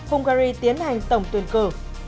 hungary tiến hành tổng tuyển cử